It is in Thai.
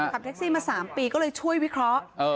ขับแท็กซี่มา๓ปีก็เลยช่วยวิเคราะห์